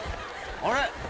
あれ？